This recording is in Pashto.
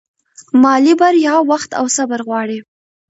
مالي بریا وخت او صبر غواړي.